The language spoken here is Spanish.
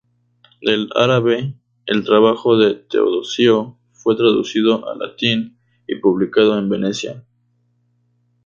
Del árabe, el trabajo de Teodosio fue traducido al latín y publicado en Venecia.